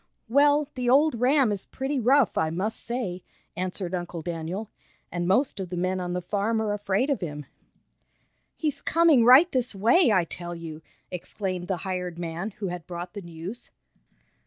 "Well, the old ram is pretty rough, I must say," answered Uncle Daniel, "and most of the men on the farm are afraid of him." "He's coming right this way, I tell you!" exclaimed the hired man who had brought the news.